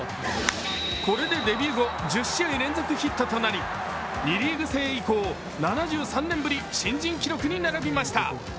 これでデビュー後、１０試合連続ヒットとなり、２リーグ制以降、７３年ぶり新人記録に並びました。